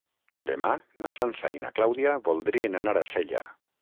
Demà na Sança i na Clàudia voldrien anar a Sella.